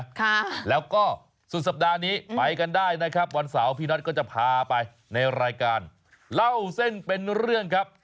ค่ะแล้วก็สุดสัปดาห์นี้ไปกันได้นะครับวันเสาร์พี่น็อตก็จะพาไปในรายการเล่าเส้นเป็นเรื่องครับ